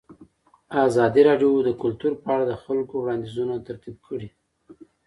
ازادي راډیو د کلتور په اړه د خلکو وړاندیزونه ترتیب کړي.